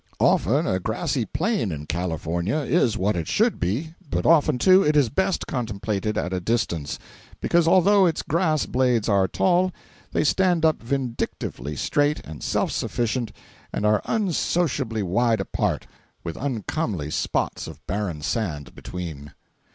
Often a grassy plain in California, is what it should be, but often, too, it is best contemplated at a distance, because although its grass blades are tall, they stand up vindictively straight and self sufficient, and are unsociably wide apart, with uncomely spots of barren sand between.